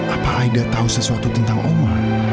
apa aida tahu sesuatu tentang oma